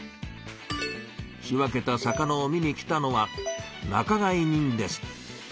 仕分けた魚を見に来たのは仲買人です。